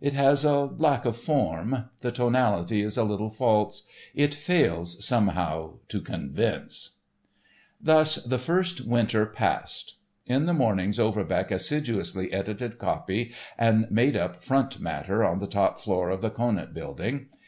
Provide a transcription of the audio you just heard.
It has a lack of form; the tonality is a little false. It fails somehow to convince." Thus the first Winter passed. In the mornings Overbeck assiduously edited copy and made up front matter on the top floor of the Conant building.